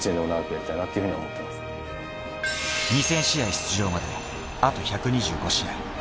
２０００試合出場まであと１２５試合。